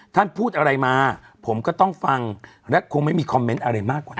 ท่านพูดอะไรมาผมก็ต้องฟังและคงไม่มีคอมเมนต์อะไรมากกว่านั้น